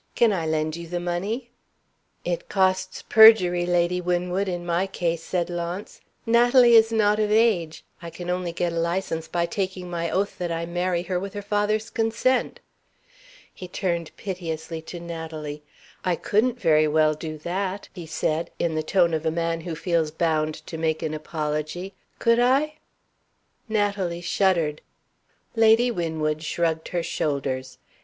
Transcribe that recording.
Can I lend you the money?" "It costs perjury, Lady Winwood, in my case," said Launce. "Natalie is not of age. I can only get a License by taking my oath that I marry her with her father's consent." He turned piteously to Natalie. "I couldn't very well do that," he said, in the tone of a man who feels bound to make an apology, "could I?" Natalie shuddered; Lady Winwood shrugged her shoulders.